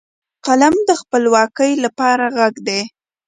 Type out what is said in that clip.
قلم د خپلواکۍ لپاره غږ دی